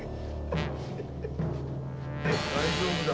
大丈夫だ。